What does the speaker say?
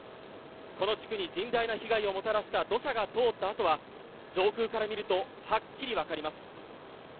この地区に甚大な被害をもたらした土砂が通った跡は上空から見るとはっきりわかります。